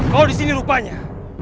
kau disini rupanya